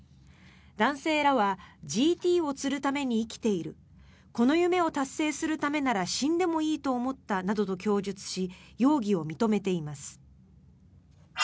男性らはＧＴを釣るために生きているこの夢を達成するためなら死んでもいいと思ったなどと供述し容疑を認めています。